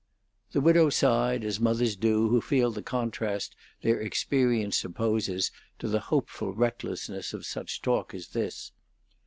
The widow sighed as mothers do who feel the contrast their experience opposes to the hopeful recklessness of such talk as this.